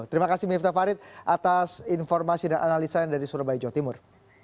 terima kasih miftah farid atas informasi dan analisa yang dari surabaya jawa timur